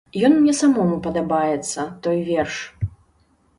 Ён мне самому падабаецца, той верш.